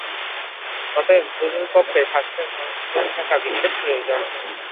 অতএব গুরুর পক্ষে শাস্ত্রের মর্মজ্ঞান থাকা বিশেষ প্রয়োজন।